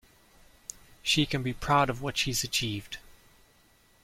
She can be proud of what she’s achieved